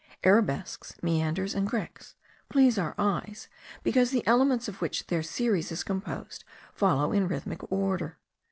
Arabesques, meanders, and grecques, please our eyes, because the elements of which their series is composed, follow in rhythmic order.